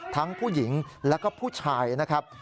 ทั้งผู้หญิงแล้วก็ผู้ชายนะครับ